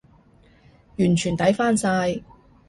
完全抵返晒